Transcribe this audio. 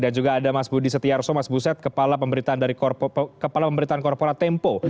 dan juga ada mas budi setiarso mas buset kepala pemberitaan korporat tempo